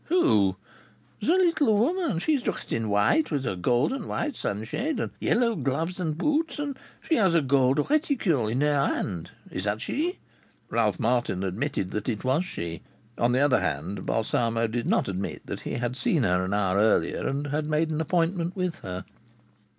"Who?" "The little woman. She is dressed in white, with a gold and white sunshade, and yellow gloves and boots, and she has a gold reticule in her hand. Is that she?" Ralph Martin admitted that it was she. On the other hand, Balsamo did not admit that he had seen her an hour earlier and had made an appointment with her.